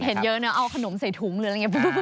เห็นเยอะนะเอาขนมใส่ถุงหรืออะไรอย่างนี้